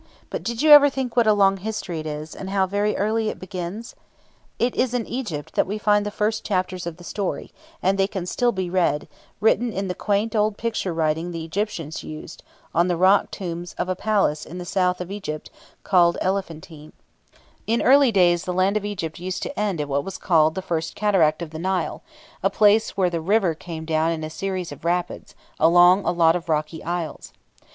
But did you ever think what a long story it is, and how very early it begins? It is in Egypt that we find the first chapters of the story; and they can still be read, written in the quaint old picture writing which the Egyptians used, on the rock tombs of a place in the south of Egypt, called Elephantine. [Illustration: Plate 11 THE SPHINX AND THE SECOND PYRAMID. Page 79] In early days the land of Egypt used to end at what was called the First Cataract of the Nile, a place where the river came down in a series of rapids among a lot of rocky islets.